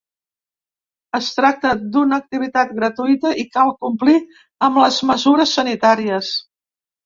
Es tracta d’una activitat gratuïta i cal complir amb les mesures sanitàries.